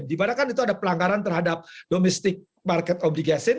dimana kan itu ada pelanggaran terhadap domestic market obligation